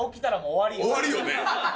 終わりよね。